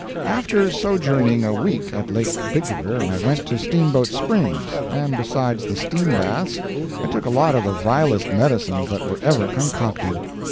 After sojourning a week at Lake Bigler, I went to Steamboat Springs, and, besides the steam baths, I took a lot of the vilest medicines that were ever concocted.